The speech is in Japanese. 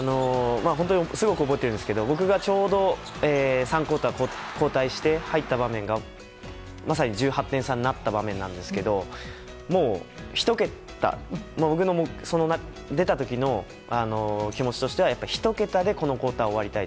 本当にすごく覚えているんですけれど僕がちょうど、３クオーター交代して入った場面がまさに１８点差になった場面なんですけど僕が出た時の気持ちとしてはやっぱり、１桁でこのクオーター、終わりたい。